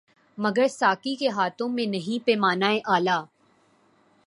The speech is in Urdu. مگر ساقی کے ہاتھوں میں نہیں پیمانۂ الا